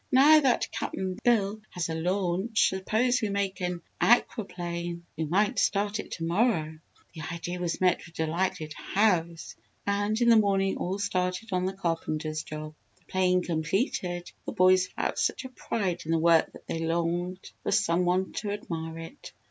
"Now that Cap'n Bill has a launch suppose we make an aqua plane? We might start it to morrow." The idea was met with delighted "Hows!" and in the morning all started on the carpenter's job. The plane completed, the boys felt such a pride in the work that they longed for some one to admire it.